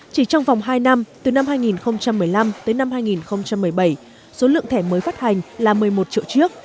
chỉ trong vòng hai năm từ năm hai nghìn một mươi năm tới năm hai nghìn một mươi bảy số lượng thẻ mới phát hành là một mươi một triệu chiếc